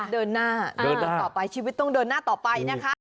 เดินหน้าชีวิตต้องเดินหน้าต่อไปนะคะ